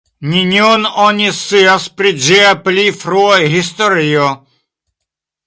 Nenion oni scias pri ĝia pli frua historio.